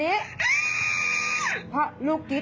ออกไป